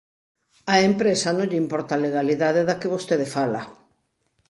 Á empresa non lle importa a legalidade da que vostede fala.